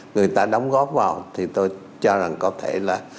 người ta đóng góp vào thì tôi cho rằng có thể là